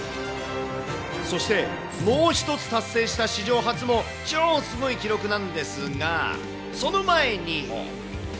そして、もう一つ達成した史上初も超すごい記録なんですが、その前に。